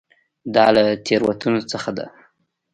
دا له تېروتنو څخه ده.